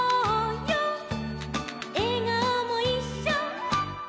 「えがおもいっしょ」